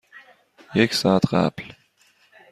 یک ساعت قبل.